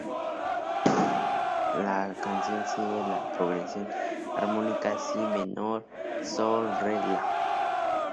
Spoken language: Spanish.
La canción sigue la progresión armónica "si" menor–"sol"–"re"–"la".